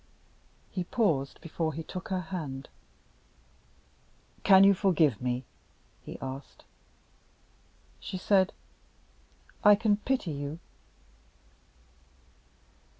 He paused before he took her hand. "Can you forgive me?" he asked. She said: "I can pity you."